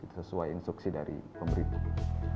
sesuai instruksi dari pemerintah